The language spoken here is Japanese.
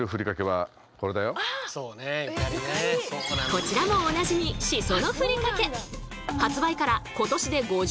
こちらもおなじみしそのふりかけ！